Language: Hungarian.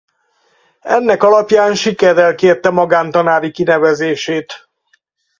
Ennek alapján sikerrel kérte magántanári kinevezését.